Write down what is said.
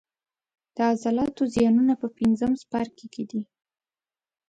د عضلاتو زیانونه په پنځم څپرکي کې دي.